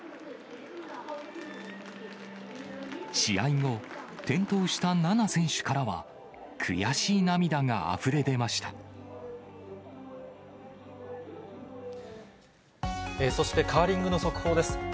試合後、転倒した菜那選手からは、そして、カーリングの速報です。